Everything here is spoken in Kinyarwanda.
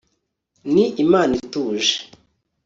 ni imana ituje